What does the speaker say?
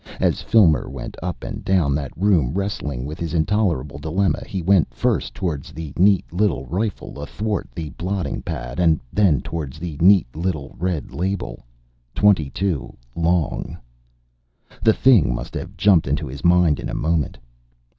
As Filmer went up and down that room wrestling with his intolerable dilemma he went first towards the neat little rifle athwart the blotting pad and then towards the neat little red label ".22 LONG." The thing must have jumped into his mind in a moment.